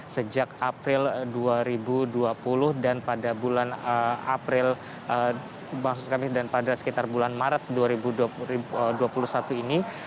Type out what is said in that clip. sejak april dua ribu dua puluh dan pada bulan april maksud kami dan pada sekitar bulan maret dua ribu dua puluh satu ini